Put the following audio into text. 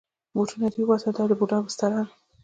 بوټونه دې وباسه، دا د بوډا بستره ده.